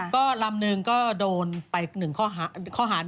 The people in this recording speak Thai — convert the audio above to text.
ก็ลำหนึ่งก็โดนไป๑ข้อหา๑